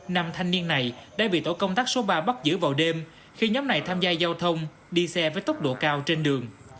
nam thanh niên này đã bị tổ công tác số ba bắt giữ vào đêm khi nhóm này tham gia giao thông đi xe với tốc độ cao trên đường